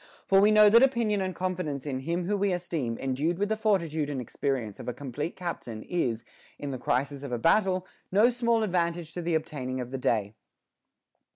For we know that opinion and confidence in him whom we esteem endued with the forti tude and experience of a complete captain is, in the crisis of a battle, no small advantage to the obtaining of the day.